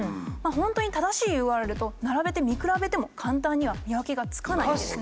本当に正しいＵＲＬと並べて見比べても簡単には見分けがつかないんです。